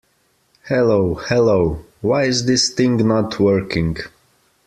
Hello hello. Why is this thing not working?